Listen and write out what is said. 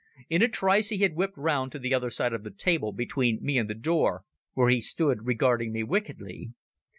In a trice he had whipped round to the other side of the table between me and the door, where he stood regarding me wickedly.